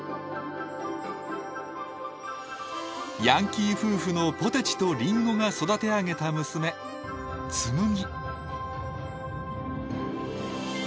ヤンキー夫婦のポテチとリンゴが育て上げた娘つむぎ。